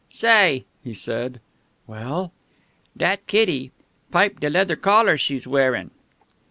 "Say!" he said. "Well?" "Dat kitty. Pipe de leather collar she's wearin'."